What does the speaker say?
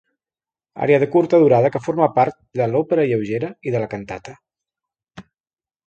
Ària de curta durada que forma part de l'òpera lleugera i de la cantata.